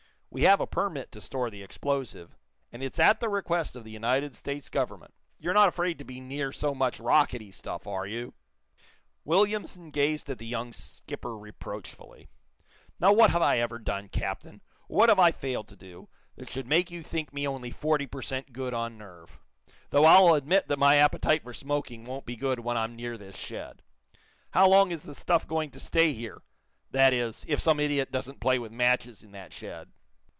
"We have a permit to store the explosive, and it's at the request of the United States Government. You're not afraid to be near so much rockety stuff are you?" Williamson gazed at the young skipper reproachfully. "Now, what have I ever done, Captain, or what have I failed to do, that should make you think me only forty per cent. good on nerve? Though I'll admit that my appetite for smoking won't be good when I'm near this shed. How long is the stuff going to stay here? That is, if some idiot doesn't play with matches in that shed."